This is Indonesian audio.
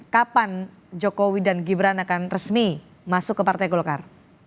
kapan jokowi dan gibran akan resmi masuk ke partai golkar